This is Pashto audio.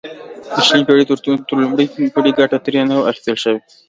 د شلمې پېړۍ تر لومړیو پورې ګټه ترې نه وه اخیستل شوې.